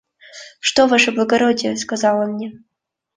– Что, ваше благородие? – сказал он мне.